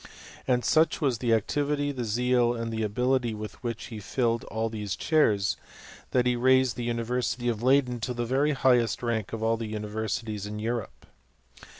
And such was the activity, the zeal, and the ability with which be filled all these chairs, that he raised the University of Leyden to the very highest rank of all the universi ties of Europe.